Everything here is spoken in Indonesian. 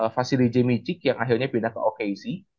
fassily djemicic yang akhirnya pindah ke okc